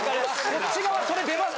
こっち側それ出ます。